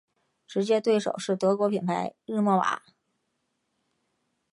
直接竞争对手是德国品牌日默瓦。